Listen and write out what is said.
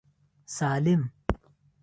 سالم.